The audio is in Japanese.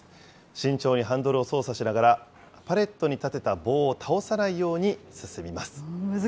慎重にハンドルを操作しながら、パレットに立てた棒を倒さないように進みます。